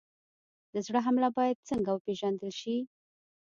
د زړه حمله باید څنګه وپېژندل شي؟